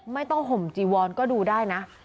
ไม่ต้องห่มจีวอนก็ดูได้นะ